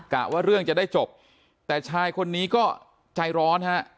ว่าเรื่องจะได้จบแต่ชายคนนี้ก็ใจร้อนฮะ